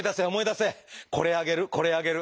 「これあげる」「これあげる」。